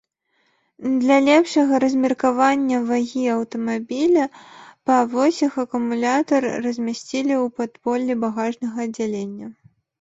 Для лепшага размеркавання вагі аўтамабіля па восях акумулятар размясцілі ў падполлі багажнага аддзялення.